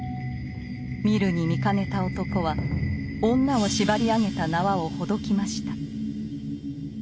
見るに見かねた男は女を縛り上げた縄をほどきました。